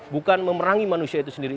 bukan memerangi manusia itu sendiri